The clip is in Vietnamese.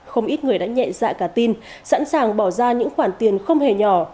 không ít người đã nhẹ dạ cả tin sẵn sàng bỏ ra những khoản tiền không hề nhỏ